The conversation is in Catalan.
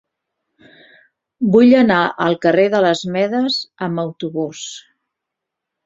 Vull anar al carrer de les Medes amb autobús.